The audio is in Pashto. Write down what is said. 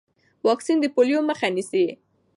واکسین د پولیو مخه نیسي۔